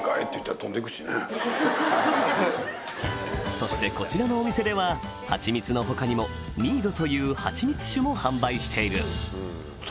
そしてこちらのお店ではハチミツの他にもミードという蜂蜜酒も販売しているお酒？